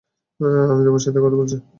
আমি তোমার সাথে কথা বলছি!